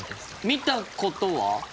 見たことは？